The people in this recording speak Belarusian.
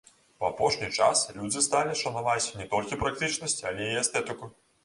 У апошні час людзі сталі шанаваць не толькі практычнасць, але і эстэтыку.